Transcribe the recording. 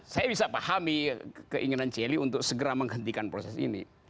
saya bisa pahami keinginan celi untuk segera menghentikan proses ini